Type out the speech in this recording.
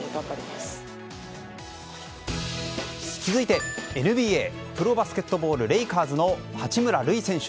続いて、ＮＢＡプロバスケットボールレイカーズの八村塁選手。